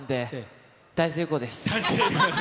大成功で。